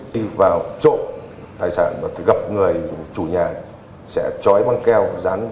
đi vào trộm tài sản và gặp người chủ nhà sẽ chói băng keo